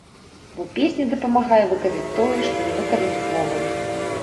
Бо песня дапамагае выказаць тое, што не выказаць словамі.